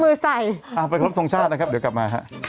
เอาละครับไม่เอาเน